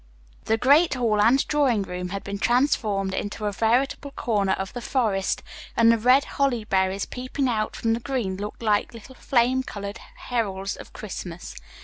The great hall and drawing room had been transformed into a veritable corner of the forest, and the red holly berries peeping out from the green looked like little flame colored heralds of Christmas.